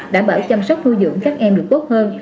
đảm bảo chăm sóc nuôi dưỡng các em được tốt hơn